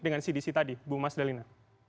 dengan cdc tadi bu mas dalina